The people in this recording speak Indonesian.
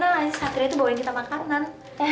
iya kemarin tuh satria tuh bawain kita makanan